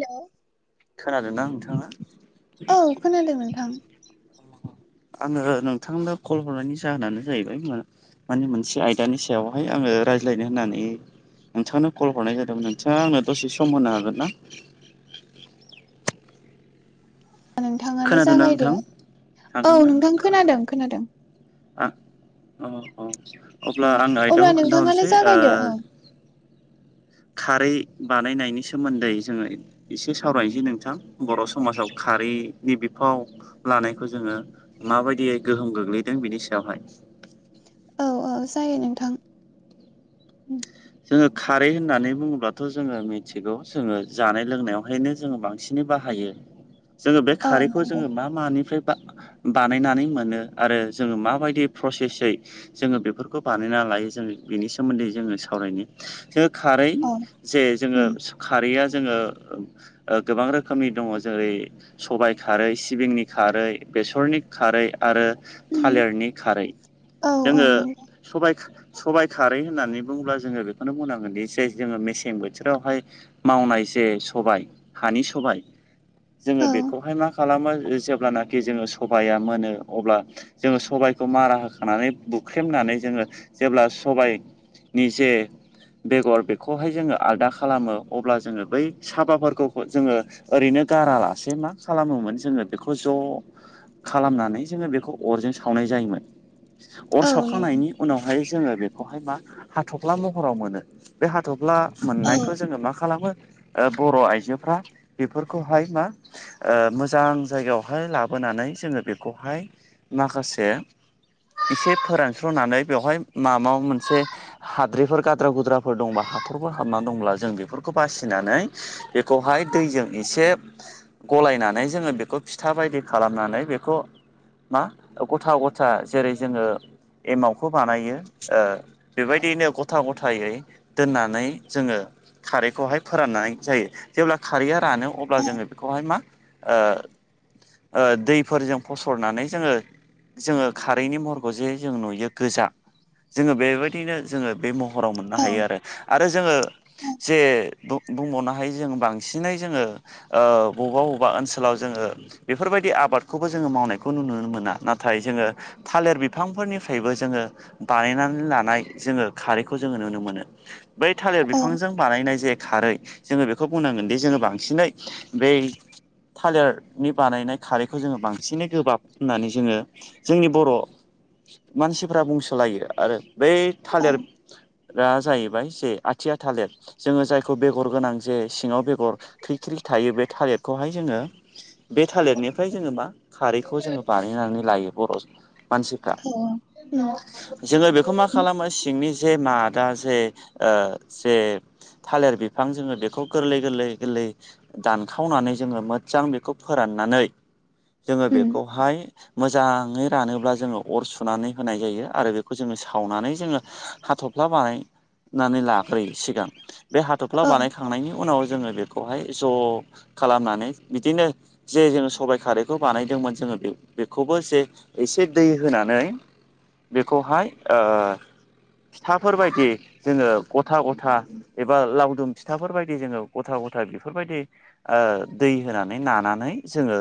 हेल' खोनादोंना नोंथाङा औ खनादों नोंथां आङो नोंथांनो कल हरनायनि जाहोनानो जाहैबाय मा माने मोनसे आयदानि सायावहाय आङो रायज्लायनो होननानै नोंथांनो कल हरनाय जादोंमोन नोंथाङा आंनो दसे सम होनो हागोन ना नोंथाङानो खोनादोंना जागायदो नोंथां औ हागोन ना नोंथां खोनादों खोनादों औ औ उम अब्ला आं अब्ला आयदाखौ नोंथाङानो खोन्थाहरनोसै ओ जागायदो औ खारै बानायनायनि सोमोन्दै जोङो एसे सावरायनोसै नोंथां बर' समाजाव खारैनि बिफाव लानायखौ जोङो माबायदियै गोहोम गोग्लैदों बिनि सायावहाय औ औ जायो नोंथां उम जोङो खारै होननानै बुङोब्लाथ' जोङो मिथिगौ जोङो जानाय लोंनायावहायनो जोङो बांसिनै बाहायो जोङो बे औ खारैखौ नंगौ जोङो मा मानिफ्राय बा बानायनानै मोनो आरो जोङो माबायदि प्रसेसयै जायो जोङो बेफोरखौ बानायना लायो जोङो बेनि सोमोन्दै जोङो सा सावरायनि जोङो खारै औ जे जोङो उम खारैया जोङो गोबां रोखोमनि दङ जेरै सबायाइ खारै सिबिंनि खारै बेसरनि खारै आरो उम थालिरनि खारै औ औ जोङो नंगौ सबाय सबाइ खारै होननानै बुङोब्ला जोङो बेखौनो बुंनांगोन दि जे जोङो मेसें बोथोरावहाय मावनाय जे सबाय हानि सबाय जोङो औ बेखौहाय मा खालामो जेब्लानाखि जोङो सबाया मोनो अब्ला जोङो सबायखौ मारा होखांनानै बुख्रेमनानै जोङो जेब्ला सबाय नि जे बेगर बेखौहाय जोङो आलादा खालामो अब्ला जोङो बै साबाफोरखौ जोङो ओरैनो गारालासे मा खालामोमोन जोङो बेखौ ज' खालामनानै जोङो बेखौ अरजों सावनाय जायोमोन अर औ नंगौ सावखांनायनि उनावहाय जोङो बेखौहाय मा हाथफ्ला महराव मोनो बे हाथफ्ला औ मोननायखौ जोङो मा खालामो ओ बर' आइजोफ्रा बेफोरखौहाय मा मोजां जायगायावहाय लाबोनानै जोङो बेखौहाय माखासे एसे फोरानस्र'नानै बेवहाय माबा मोनसे हाद्रिफोर गाद्रा गुद्राफोर दंबा हाथरफोर हाबनानै दंब्ला जों बेफोरखौ बासिनानै बेखौहाय दैजों एसे गलायनानै जोङो बेखौ फिथा बायदि खालामनानै बेखौ मा गथा गथा जेरै जोङो एमावखौ बानायो ओ बेबायदियैनो गथा गथायै दोननानै जोङो खारैखौहाय फोराननाय जायो जेब्ला खारैया रानो अब्ला औ जोङो बे खौहाय मा ओ ओ दैफोरजों फसरनानै जोङो जोङो खारैनि महरखौ जे जों नुयो गोजा जोङो बेबायदि दिनो जोङो बे महराव मोननो औ हायो आरो आरो जोङो जे बुंबावनो हायो जों बांसिनै जोङो ओ बबेबा बबेबा ओनसोलाव जोङो बेफोरबायदि आबाद खौबो जोङो मावनायखौ नुनो मोना नाथाय जोङो थालिर बिफांफोरनिफ्रायबो जोङो बानायनानै लानाय जोङो खारैखौ जोङो नुनो मोनो बै थालिर औ बिफांजों बानायनाय जे खारै जोङो बेखौ बुंनांगोन दि जोङो बांसिनै बै थालिर नि बानायनाय खारैखौ जोङो बांसिनै गोबाब होननानै जोङो जोंनि बर' मानसिफोरा बुंसलायो आरो बे थालिर दा जाहैबाय जे आथिया थालिर जोङो जायखौ बेगर गोनां जे सिङाव बेगर थैख्रि थायो बे थालिरखौहाय जोङो बे थालिरनिफ्राय जोङो मा खारैखौ जोङो बानायनानै लायो बर' मानसिफ्रा औ जोङो बेखौ मा खालामा सिंनि जे मादा जे ओ जे थालिर बिफां जोङो बेखौ गोरलै गोरलै गोलै दानखावनानै जोङो मोजां बेखौ फोराननानै जोङो उम बेखौहाय मोजाङै रानोब्ला जोङो अर सुनानै होनाय जायो आरो बेखौ जोङो सा खावनानै जोङो हाथफ्ला बानाय नानै लाग्रोयो सिगां बे हाथ'फ्ला औ बानायखांनायनि उनाव जोङो बेखौहाय ज' खालामनानै बिदिनो जे जोङो सबायाइ खारैखौ बानायदोंमोन जोङो बे बेखौबो जे एसे दै होनानै बेखौहाय ओ थाफोरबायदि जोङो गथा गथा एबा लावदुम फिथाफोरबायायदि जोङो गथा गथा बेफोरबायदि ओ दै होनानै नानानै जोङो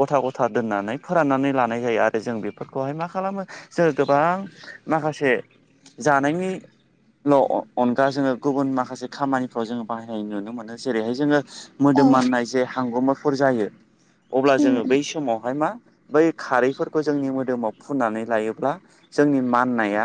गथा गथा दोननानै फोराननानै लानाय जायो आरो जों बेफोरखौहाय मा खालामो जों गोबां माखासे जानायनि ल' अनगा जोङो गुबुन माखासे खामानिफ्राव जोङो बाहायनाय नुनो मोनो जेरैहाय जोङो औ मोदोम मानाय जे हांगमाफुर जायो अब्ला उम जोङो बै समावहाय मा बै खारैफोरखौ जोंनि मोदोमाव फुननानै लायोब्ला जोंनि माननाया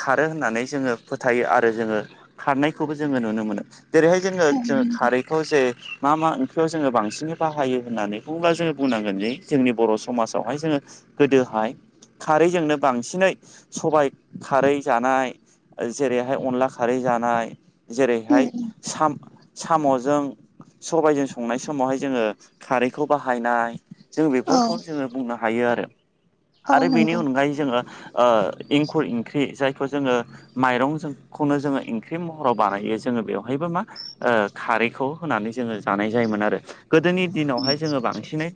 खारो होननानै जोङो फोथायो आरो जोङो खारनायखौबो जोङो नुनो मोनो। जेरैहाय जोङो औ जो नंगौ खारैखौ जे मा मा ओंख्रियाव जोङो बांसिनै बाहायो होननानै बुगा जोङो बुंनांगोन जे जोंनि बर' समाजावहाय जोङो गोदोहाय खारैजोंनो बांसिनै सबाय खारै जानाय जेरैहाय अनला खारै जानाय जेरैहाय उम साम साम'जों सबाइजों संनाय समावहाय जोङो खारैखौ बाहायनाय जों औ बेफोरखौ जोङो बुंनो हायो आरो औ आरो बेनि नंगौ अनगायै जोङो ओ एंखुर इंख्रि जायखौ जोङो माइरंजों खौनो जोङो ओंख्रि महराव बानायो जोङो बेवहायबो मा ओ खारैखौ होनानै जोङो जानाय जायोमोन आरो गोदोनि उम दिनावहाय जोङो बांसिनै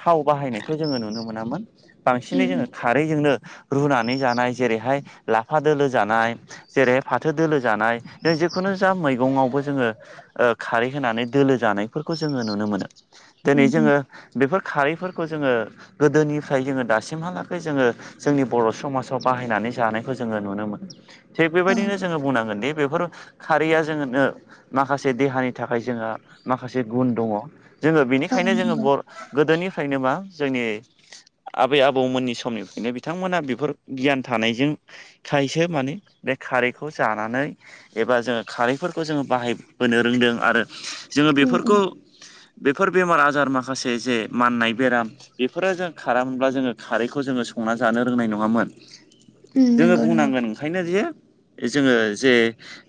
थाव बाहायनायखौ जोङो नुनो मोनामोन बांसिनै जोङो उम खारैजोंनो रुनानै जानाय जेरैहाय लाफा दोलो जानाय। जेरैहाय फाथो दोलो जानाय जे जिखुनु जा मैगङावबो जोङो ओ खारै होनानै दोलो जानायफोरखौ जोङो नुनो मोनो दोनै उम उम जोङो बेफोर खारैफोरखौ जोङो गोदोनिफ्राय जोङो दासिमहालागै जोङो जोंनि बर' समाजाव बाहायनानै जानायखौ जोङो नुनो मोनो थिग औ बेबायदिनो जोङो बुंनांगोनदि बेफोर खारैया जोंनो माखासे देहानि थाखाय जोंहा माखासे गुन दङ। जोङो औ बेनिखायनो जोङो नंगौ बर गोदोनिफ्रायनो मा जोंनि आबै आबौमोननि समनिफ्रायनो बिथांमोना बेफोर गियान थानायजों खायसो माने बे खारैखौ जानानै एबा जोङो खारैफोरखौ जोङो बाहायबोनो रोंदों। आरो जोङो उम बेफोरखौ उम बेफोर बेमार आजार माखासे जे माननाय बेराम बेफोरो जों खारामोनब्ला जोङो खारैखौ जोङो संना जानो रोंनाय नङामोन। उम जोङो नंगौ नंगौ बुंनांगोन ओंखायनो जे जोङो जे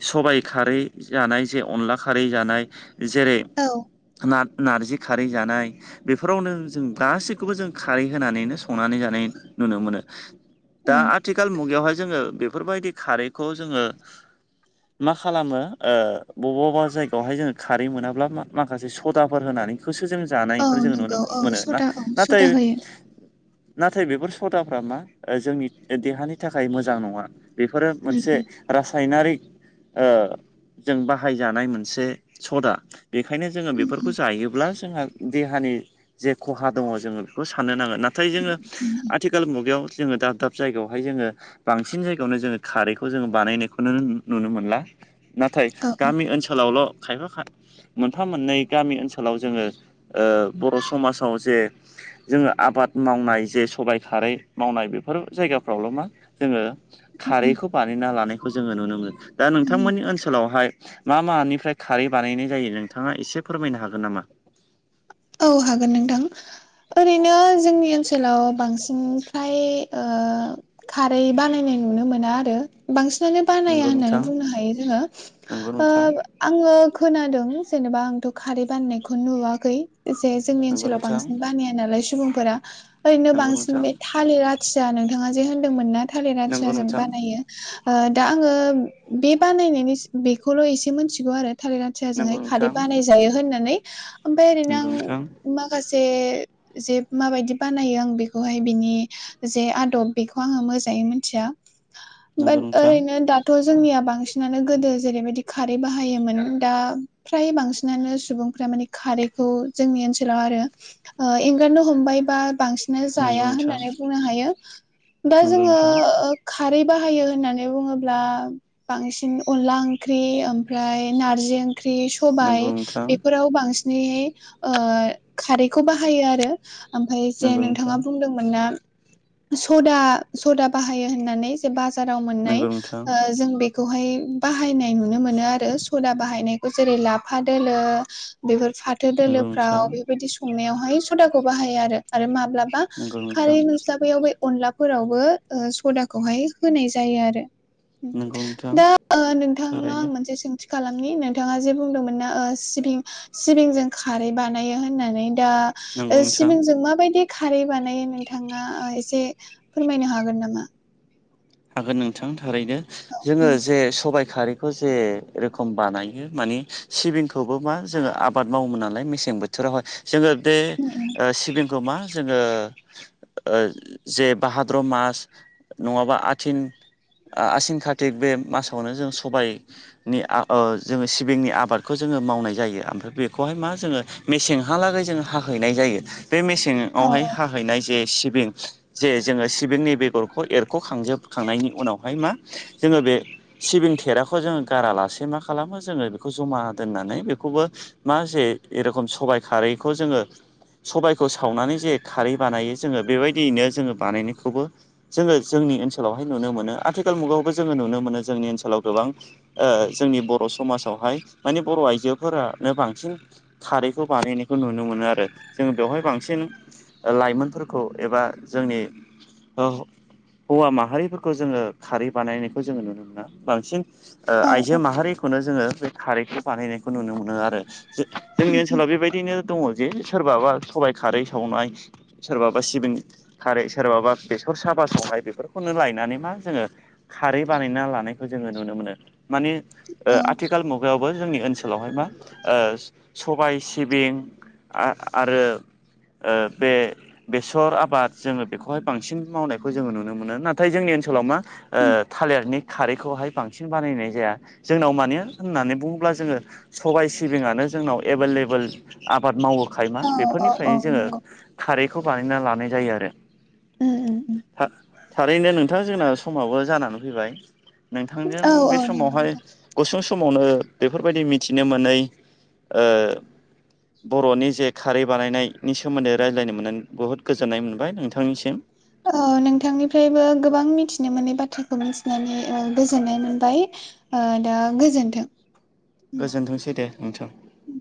सबाय खारै जानाय जे अनला खारै जानाय। जेरै औ नार-नारजि खारै जानाय बेफोरावनो जों गासैखौबो जों खारै होनानैनो संनानै जानाय नुनो मोनो। दा औ आथिखाल मुगायावहाय जोङो बेफोरबायदि खारैखौ जोङो मा खालामो ओ बबावबा जायगायावहाय जोङो खारै मोनाब्ला मा-माखासे सदाफोर होनानै खौसो जों औ जानायखौ जों नुनो नंगौ औ मोनो। सदा औ ना-नाथाय सदा होयो नाथाय बेफोर सदाफ्रा मा ओ जोंनि देहानि थाखाय मोजां नङा। बेफोरो मोनसे उम रासायनारिक ओ जों बाहायजानाय मोनसे सदा। बेखायनो जोङो उम बेफोरखौ उम जायोब्ला जोंहा देहानि जे खहा दङ जोङो बेखौ साननो नांगोन नाथाय जोङो उम आथिखाल मुगायाव जोङो दाब दाब जायगायावहाय जोङो। बांसिन जायगायावनो जोङो खारैखौ जोङो बानायनायखौनो नुनो मोनला। नाथाय औ गामि ओनसोलावल' खायफा खा मोनफा मोननै गामि ओनसोलाव जोङो बर' समाजाव जे जोङो आबाद मावनाय जे सबाय खारै मावनाय बेफोर जायगाफ्रावल' मा जोङो उम खारैखौ बानायना लानायखौ जोङो नुनो मोनो। दा उम नोंथांमोननि ओनसोलावहाय मा मानिफ्राय खारै बानायनाय जायो। नोंथाङा एसे फोरमायनो हागोन नामा? औ हागोन नोंथां। ओरैनो जोंनि ओनसोलाव बांसिन फ्राय ओ खारै बानायनाय नुनो मोना आरो। बांसिनानो बानाया नंगौ होननानै नोंथां बुंनो हायो जोङो। नंगौ ओ नोंथां आङो खोनादों। जेनेबा आंथ' खारै बाननायखौ नुवाखै। एसे जोंनि नंगौ ओनसोलाव नोंथां बांसिन बानाया नालाय सुबुंफोरा ओरैनो नंगौ बांसिन नोंथां बे थालिरा आ थिया नोंथाङा जे होनदोंमोन ना थालिर नंगौ आथियाजों नोंथां बानायो। ओ दा आङो बे बानायनायनि स बेखौल' एसे मिथिगौ आरो थालिर आ नंगौ थियाजोंहाय खारै नोंथां बानाय जायो होननानै ओमफाय ओरैनो आं नंगौ माखासे जे माबायदि बानायो आं बेखौहाय बिनि जे आदब बेखौ आङो मोजाङै मोनथिया बाद नोंथां ओरैनो दा थ' जोंनिया बांसिनानो गोदो जेरैबायदि खारै बाहायोमोन दा फ्राय बांसिनानो सुबुंफ्रा माने खारैखौ जोंनि ओनसोलाव आरो ओ एंगारनो हमबायबा बांसि नो नंगौ जाया नोंथां होननानै बुंनो हायो। दा नंगौ जोङो नोंथां ओ खारै बाहायो होननानै बुङोब्ला। बांसिन अनला ओंख्रि ओमफ्राय नारजि ओंख्रि स नंगौ नोंथां सबाय नंगौ नोंथां बेफोराव बांसिनैहाय ओ खारैखौ बाहायो आरो। ओमफाय जे नोंथाङा नंगौ बुंदों मोनना सदा सदा बाहायो होननानै जे बाजाराव मोननाय नोंथां ओ जों बेखौहाय बाहायनाय नुनो मोनो आरो। सदा बाहायनाय बो जेरै लाफा दोलो बेफोर फाथो नंगौ दोलोफ्राव नोंथां बे बिदि संनायावहाय सदाखौ बाहायो‌ आरो। आरो माब्लाबा नंगौ नोंथां नंगौ खारै नोंथां मोनस्लाबैयाव बै अनला फोरावबो ओ सदाखौहाय होनाय जायो आरो। उम नंगौ नोंथां दा नोंथांनाव थारैनो आं मोनसे सोंथि खालामनि नोंथाङा जे बुंदोंमोन ना ओ सिबिं सिबिंजों खा खारै बानायो होननानै दा नंगौ ओ नोंथां सिबिंजों माबायदि खारै बानायो नोंथाङा एसे फोरमायनो हागोन नामा? हागोन नोंथां थारैनो। जोङो उम जे सबाय खारै खौ जेे रोखोम बानायो माने सिबिंखौबो मा जोङो आबाद मावोमोन नालाय मेसें बोथोरावहाय जोङो बे उम उम ओ सिबिंखौ मा जोङो ओ जे भाहाद्र' मास नङाबा आ थिन ओ आसिन कारतिक बे मासावनो जों सबाय नि ओ जोङो सिबिंनि आबादखौ जोङो मावनाय जायो ओमफ्राय बेखौहाय मा जोङो मेसेंहालागै जोङो हाहैनाय जायो। बे औ मेसेङावहाय हाहैनाय जे सिबिं जे जोङो सिबिंनि बेगरखौ एरख'खांजोब खांनायनि उनावहाय मा जोङो बे सिबिं थेराखौ जोङो गारालासे मा खालामो जोङो बेखौ जमा दोननानै बेखौबो मा जे इरखम सबाइ खारैखौ जोङो सबाइखौ सावनानै जे खारै बानायो जोङो बेबायदियैनो जोङो बानायनायखौबो जोङो जोंनि ओनसोलावहाय नुनो मोनो आथिखाल मुगायावबो जोङो नुनो मोनो जोंनि ओनसोलाव गोबां जोंनि बर' समाजावहाय माने बर' आइजोफोरानो बांसिन खारैखौ बानायनायखौ नुनो मोनो आरो जों बेवहाय बांसिन लाइमोनफोरखौ एबा जोंनि हौ-हौवा मा हारिफोरखौ जोङो खारै बानायनायखौ जोङो नुनो मोना बांसिन ओ औ आइजो औ माहारिखौनो जोङो बे खारैखौ बानायनायखौ नुनो मोनो आरो। जो-जोंनि उम उम ओनसोलाव बेबायदिनो दङ जे सोरबाबा सबाइ खारै सावनाय सोरबाबा सिबिं खारै सोरबाबा बेसर साबा सावनाय बेफोर खौनो लायनानै मा जोङो खारै बानायना लानायखौ जोङो नुनो मोनो। माने ओ औ आथिखाल मुगायावबो जोंनि ओनसोलावहाय मा सबाय सिबिं आ-आरो ओ बे बेसर आबाद जोङो बेखौहाय बांसिन मावनायखौ जोङो नुनो मोनो। नाथाय जोंनि ओनसोलाव मा उम ओ थालिरनि खारैखौहाय बांसिन बानायनाय जाया। जोंनाव माने होननानै बुङोब्ला जोङो सबाय सिबिङानो जोंनाव एभेलेबोेल आबाद मावो। थायोना औ औ औ बेफोरनिफ्रायनो जोङो नंगौ खारैखौ बानायना लानाय जायो आरो। उम उम उम। थारैनो नोंथां जोंना समावबो जानानै फैबाय नोंथांजों औ बे औ नंगौ समावहाय नोंथां गुसुं समावनो बेफोरबायदि मिथिनो मोनै ओ बर'नि जे खारै बानायनायनि सोमोन्दै रायज्लायनो मोननानै बुहुद गोजोननाय मोनबाय नोंथांनिसिम ओ नोंथांनिफ्रायबो गोबां मिथिनो मोनै बाथ्राखौ मिथिनानै ओ गोजोननाय मोनबाय। ओ दा गोजोन्थों। उम गोजोनथोंसै दे नोंथां। उम